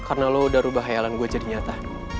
karena lo udah ubah khayalan gue jadi nyata